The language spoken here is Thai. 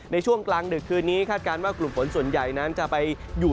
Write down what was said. ในช่วงกลางดึกคืนนี้คาดการณ์ว่ากลุ่มฝนส่วนใหญ่นั้นจะไปอยู่